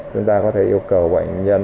chúng ta có thể yêu cầu bệnh nhân